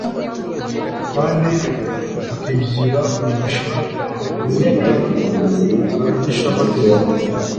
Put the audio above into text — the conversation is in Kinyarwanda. kandi akigira Umwigisha unita abigishamategeko.